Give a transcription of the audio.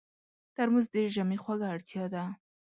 ترموز د ژمي خوږه اړتیا ده.